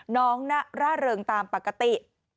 น้องร่าเริงตามปกติ